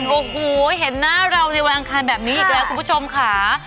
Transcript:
โอ้โหเห็นหน้าเราในวันอังคารแบบนี้อีกแล้วคุณผู้ชมค่ะ